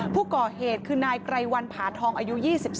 ผู้ก่อเหตุคือนายไกรวันผาทองอายุ๒๓